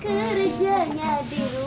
perasaan yang berbeda